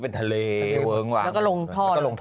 เป็นทะเลลงท่อ